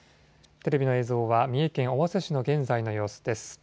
テレビの映像は三重県尾鷲市の現在の様子です。